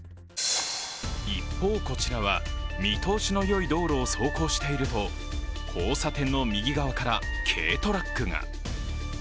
一方、こちらは見通しのよい道路を走行していると交差点の右側から軽トラックが。